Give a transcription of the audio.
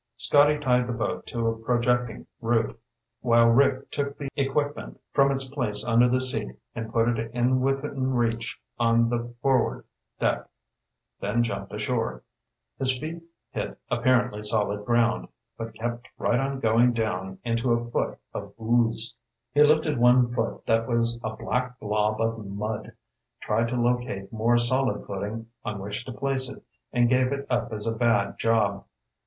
Scotty tied the boat to a projecting root while Rick took the equipment from its place under the seat and put it within reach on the forward deck, then jumped ashore. His feet hit apparently solid ground, but kept right on going down into a foot of ooze. He lifted one foot that was a black blob of mud, tried to locate more solid footing on which to place it, and gave it up as a bad job.